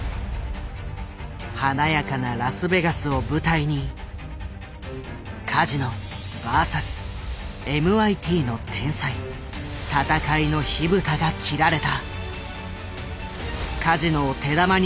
華やかなラスベガスを舞台にカジノＶＳＭＩＴの天才戦いの火蓋が切られた。